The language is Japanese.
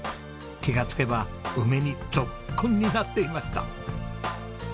気がつけば梅にぞっこんになっていました。